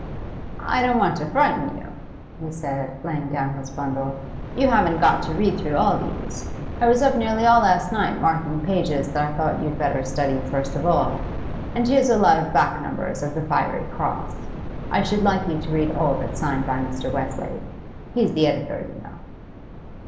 'I don't want to frighten you,' he said, laying down his bundle. 'You haven't got to read through all these. I was up nearly all last night marking pages that I thought you'd better study first of all. And here's a lot of back numbers of the "Fiery Cross;" I should like you to read all that's signed by Mr. Westlake; he's the editor, you know.